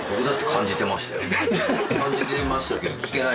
感じてましたけど。